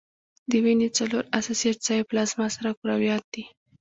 د وینې څلور اساسي اجزاوي پلازما، سره کرویات دي.